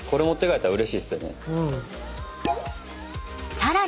［さらに］